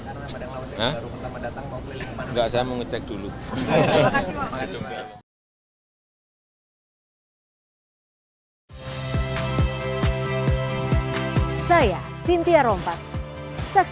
karena padang lawas ini baru pertama datang mau keliling kemana mana